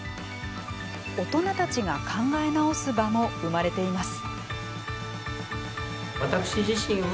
大人たちが考え直す場も生まれています。